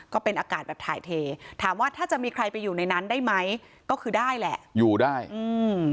ก็เป็นอากาศแบบถ่ายเทถามว่าถ้าจะมีใครไปอยู่ในนั้นได้ไหมก็คือได้แหละอยู่ได้อืม